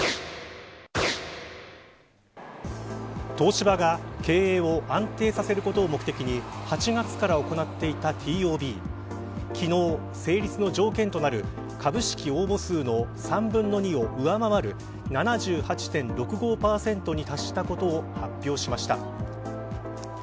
東芝が経営を安定させることを目的に８月から行っていたＴＯＢ昨日、成立の条件となる株式応募数の３分の２を上回る７８．６５％に達したことを発表しました。